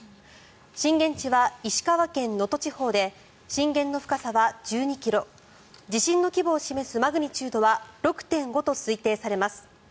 震源地は石川県能登地方で震源の深さは１２ｋｍ地震の規模を示すマグニチュードは６．５と推定されます。